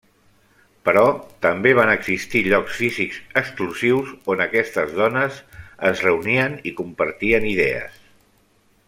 Però també van existir llocs físics exclusius on aquestes dones es reunien i compartien idees.